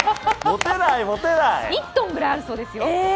１ｔぐらいあるそうですよ。